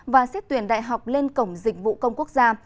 và xét tuyển đại học lên cổng dịch vụ công quốc gia